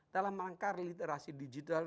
dalam langkah literasi digital